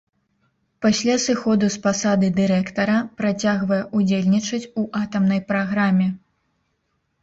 Пасля сыходу з пасады дырэктара працягвае ўдзельнічаць у атамнай праграме.